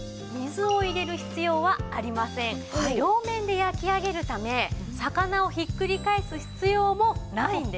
両面で焼き上げるため魚をひっくり返す必要もないんです。